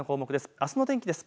あすの天気です。